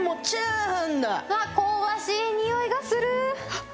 あっ香ばしいにおいがする！